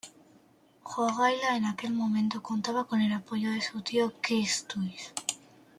Jogaila en aquel momento contaba con el apoyo de su tío Kęstutis.